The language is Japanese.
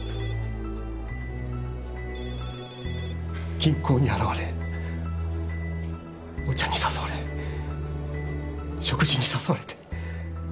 銀行に現れお茶に誘われ食事に誘われて。